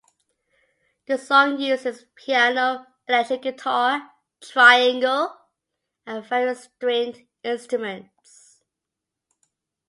The song uses piano, electric guitar, triangle, and various stringed instruments.